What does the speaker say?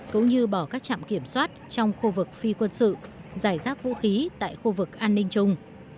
cũng như bỏ các trạm kiểm soát trong khu vực phi quân sự giải giáp vũ khí tại khu vực an ninh chung